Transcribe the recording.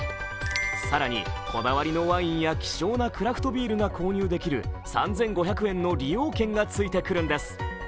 更にこだわりのワインや希少なクラフトビールが購入できる３５００円分の利用券がついてくるんです。